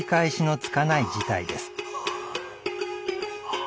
ああ。